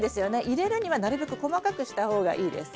入れるにはなるべく細かくした方がいいです。